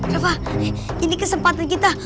rafa ini kesempatan kita